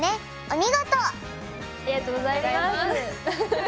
ありがとうございます。